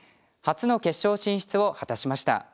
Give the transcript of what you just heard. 初の決勝進出を果たしました。